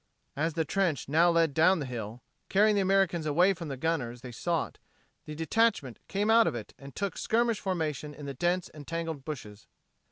As the trench now led down the hill, carrying the Americans away from the gunners they sought, the detachment came out of it and took skirmish formation in the dense and tangled bushes.